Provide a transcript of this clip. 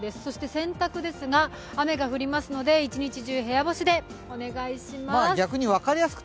洗濯ですが、雨が降りますので、一日中部屋干しでお願いします。